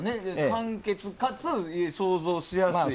簡潔かつ想像しやすい。